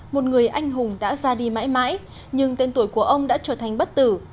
một người anh hùng đã ra đi mãi mãi nhưng tên tuổi của ông đã trở thành bất tử